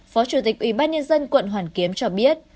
phó chủ tịch ủy ban nhân dân quận hoàn kiếm cho biết